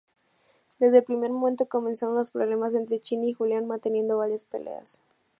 Desde el primer momento comenzaron los problemas entre Chini y Julián, manteniendo varias peleas.